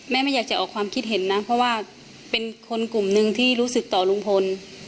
ไม่อยากจะออกความคิดเห็นนะเพราะว่าเป็นคนกลุ่มหนึ่งที่รู้สึกต่อลุงพล